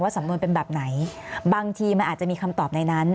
สำนวนเป็นแบบไหนบางทีมันอาจจะมีคำตอบในนั้น